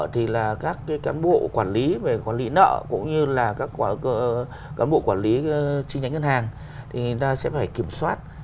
thì cũng cần phải xem lại